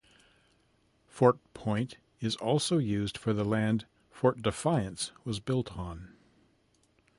Fort Point is also used for the land Fort Defiance was built on.